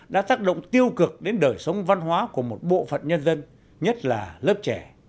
đã tác động tiêu cực đến đời sống văn hóa của một bộ phận nhân dân nhất là lớp trẻ